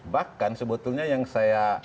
bahkan sebetulnya yang saya